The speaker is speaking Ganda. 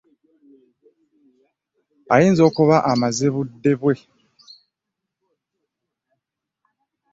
Ayinza okuba amaze budde bwe.